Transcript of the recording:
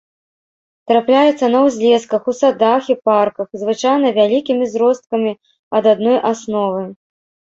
Трапляецца на ўзлесках, у садах і парках, звычайна вялікімі зросткамі ад адной асновы.